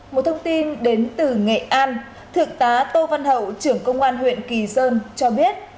một thông tin đến từ nghệ an thượng tá tô văn hậu trưởng công an huyện kỳ sơn cho biết